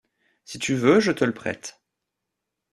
Si tu veux, je te le prête.